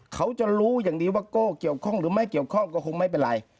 เขาจะรู้อย่างดีว่าโก้เกี่ยวข้องหรือไม่เกี่ยวข้องก็คงไม่เป็นไร